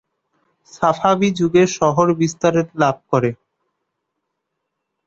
Safavi যুগে শহর বিস্তার লাভ করে।